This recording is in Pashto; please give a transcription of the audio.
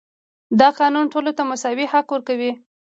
دا قانون ټولو ته مساوي حق ورکوي.